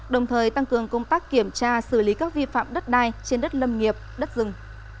đồng thời tăng cường công tác kiểm tra xử lý các vi phạm đất đai trên đất lâm nghiệp đất rừng